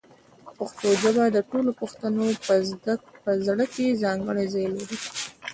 پښتو ژبه د ټولو پښتنو په زړه کې ځانګړی ځای لري.